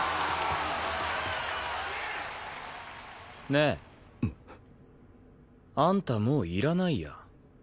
ねえ。あんたもういらないや。